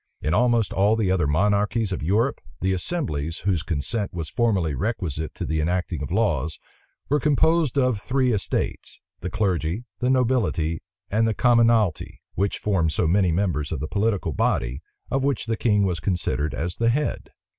In almost all the other monarchies of Europe, the assemblies, whose consent was formerly requisite to the enacting of laws, were composed of three estates, the clergy, the nobility, and the commonalty, which formed so many members of the political body, of which the king was considered as the head.